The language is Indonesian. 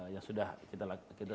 yang sudah kita